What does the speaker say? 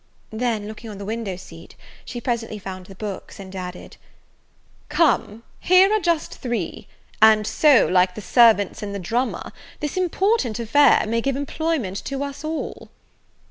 Then looking on the window seat, she presently found the books, and added, "Come, here are just three, and so like the servants in the Drummer, this important affair may give employment to us all."